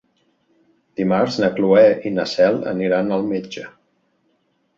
Dimarts na Cloè i na Cel aniran al metge.